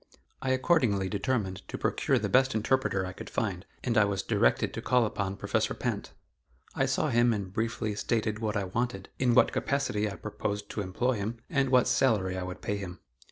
I accordingly determined to procure the best interpreter I could find and I was directed to call upon Professor Pinte. I saw him and briefly stated what I wanted, in what capacity I proposed to employ him, and what salary I would pay him.